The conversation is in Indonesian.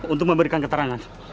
untuk memberikan keterangan